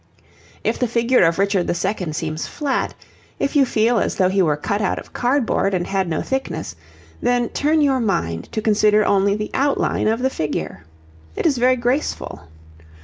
If the figure of Richard II. seems flat, if you feel as though he were cut out of cardboard and had no thickness, then turn your mind to consider only the outline of the figure. It is very graceful.